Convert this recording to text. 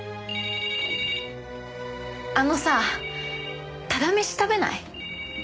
あのさタダメシ食べない？